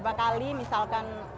beberapa kali misalnya